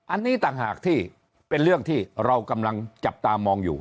อันนี้ต่างหากที่เป็นเรื่องที่เรากำลังจับตามองอยู่